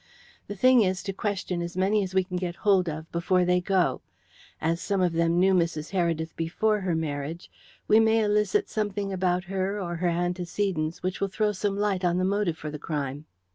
The thing is to question as many as we can get hold of before they go. As some of them knew Mrs. Heredith before her marriage, we may elicit something about her or her antecedents which will throw some light on the motive for the crime."